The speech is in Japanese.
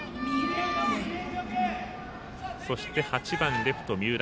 そして、８番レフト三浦。